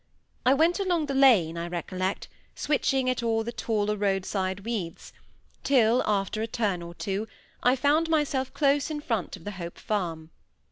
I went along the lane, I recollect, switching at all the taller roadside weeds, till, after a turn or two, I found myself close in front of the Hope Farm.